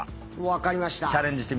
分かりました。